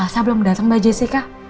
elsa belum dateng mbak jessica